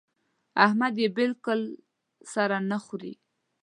احمد يې بالکل سړه نه خوري.